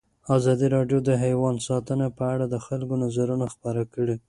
ازادي راډیو د حیوان ساتنه په اړه د خلکو نظرونه خپاره کړي.